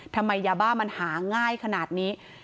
ทำไมยาบ้ามันหาง่ายขนาดนี้